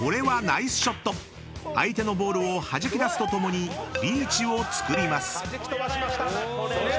相手のボールをはじき出すとともにリーチをつくります］